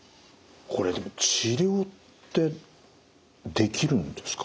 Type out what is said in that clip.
これでも治療ってできるんですか？